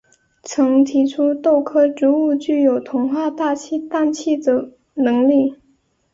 曾提出豆科植物具有同化大气氮气的能力。